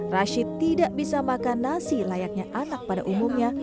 rashid tidak bisa makan nasi layaknya anak pada umumnya